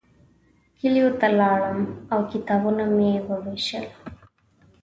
کلیو ته لاړم او کتابونه مې ووېشل.